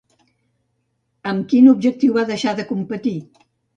Amb quin objectiu va deixar de competir?